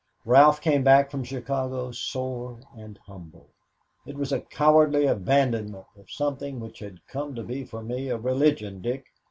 Ralph came back from Chicago sore and humble. "It was a cowardly abandonment of something which had come to be for me a religion, Dick.